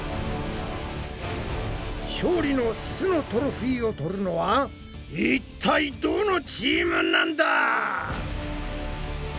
勝利の「す」のトロフィーを取るのはいったいどのチームなんだ！？